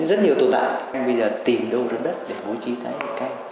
rất nhiều tù tạ bây giờ tìm đâu rớt đất để vô trí tái định cư